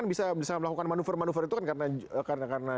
bisa melakukan manuver manuver itu kan karena